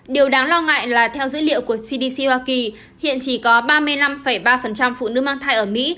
điều đáng lo ngại là theo dữ liệu của cdc hoa kỳ hiện chỉ có ba mươi năm ba phụ nữ mang thai ở mỹ